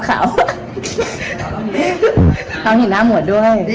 เขาหินหน้าหมวด